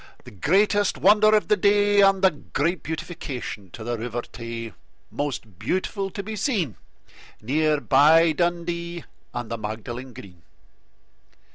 The greatest wonder of the day, And a great beautification to the River Tay, Most beautiful to be seen, Near by Dundee and the Magdalen Green.